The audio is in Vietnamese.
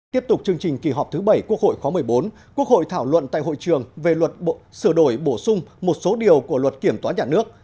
tiếp tục chương trình kỳ họp thứ bảy quốc hội khóa một mươi bốn quốc hội thảo luận tại hội trường về luật sửa đổi bổ sung một số điều của luật kiểm toán nhà nước